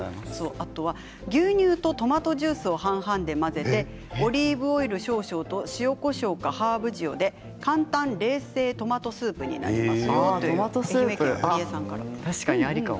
あとは牛乳とトマトジュースを半々に混ぜてオリーブオイルを少々で塩、こしょうかハーブ塩で簡単冷製トマトスープになります。